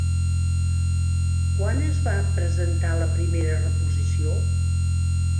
Quan es va presentar la primera reposició?